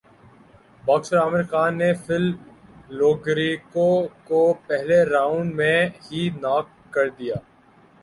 boxer Amir Khan نے Phil Lo Greco کو پہلےرانڈ میں ہی ناک کر دیا